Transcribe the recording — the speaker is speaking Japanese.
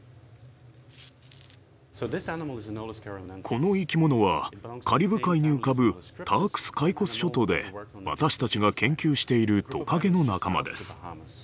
この生き物はカリブ海に浮かぶタークス・カイコス諸島で私たちが研究しているトカゲの仲間です。